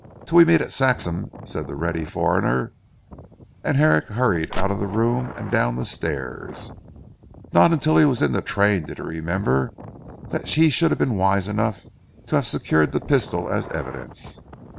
"Till we meet at Saxham," said the ready foreigner, and Herrick hurried out of the room and down the stairs. Not till he was in the train did he remember that he should have been wise enough to have secured the pistol as evidence.